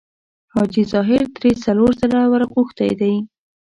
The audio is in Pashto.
حاجي ظاهر درې څلور ځله ورغوښتی دی.